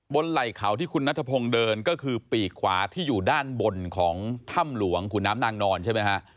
ไหล่เขาที่คุณนัทพงศ์เดินก็คือปีกขวาที่อยู่ด้านบนของถ้ำหลวงขุนน้ำนางนอนใช่ไหมฮะ